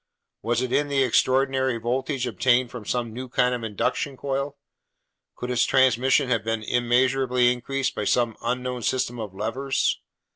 Was it in the extraordinary voltage obtained from some new kind of induction coil? Could its transmission have been immeasurably increased by some unknown system of levers?